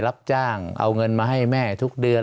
รับจ้างเอาเงินมาให้แม่ทุกเดือน